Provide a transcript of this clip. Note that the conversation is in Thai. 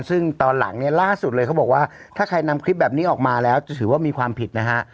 ซึ่งตอนหลังเนี่ยล่าสุดเลยเขาบอกว่าถ้าใครนำคลิปแบบนี้ออกมาแล้วจะถือว่ามีความผิดนะฮะ